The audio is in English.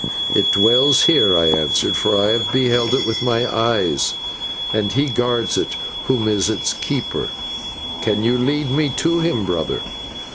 "'It dwells here,' I answered, 'for I have beheld it with my eyes, and he guards it who is its keeper.' "'Can you lead me to him, brother?'